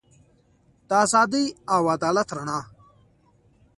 د ازادۍ او عدالت رڼا.